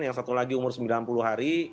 yang satu lagi umur sembilan puluh hari